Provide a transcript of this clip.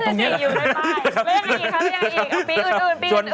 เรื่องอีกครับเรื่องอีก